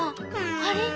あれ？